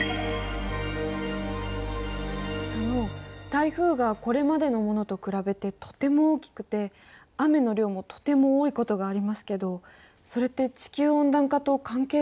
あの台風がこれまでのものと比べてとても大きくて雨の量もとても多いことがありますけどそれって地球温暖化と関係があるんでしょうか？